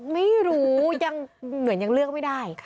ไม่รู้ยังเหมือนยังเลือกไม่ได้